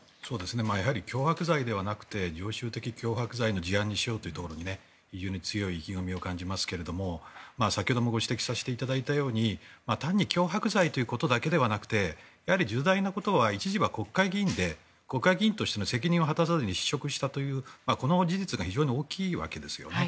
やはり脅迫罪ではなくて常習的脅迫罪の事案にしようというところに非常に強い意気込みを感じますが先ほどもご指摘させていただいたように単に脅迫罪ということだけではなくて重大なことは一時は国会議員で国会議員としての責務を果たさずに失職したというこの事実が非常に大きいわけですよね。